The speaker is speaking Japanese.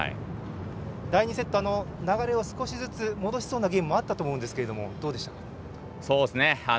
第２セット、流れを少しずつ戻しそうなゲームもあったと思うんですが、どうでしょう。